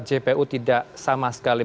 jpu tidak sama sekali